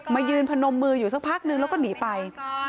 ยืนพนมมืออยู่สักพักนึงแล้วก็หนีไป